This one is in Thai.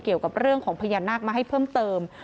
เกี่ยวกับเรื่องของพญานาคมาให้เพิ่มเติม